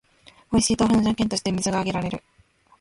おいしい豆腐の条件として水が挙げられる